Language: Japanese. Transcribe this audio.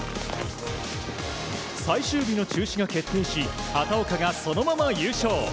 最終日の中止が決定し畑岡がそのまま優勝。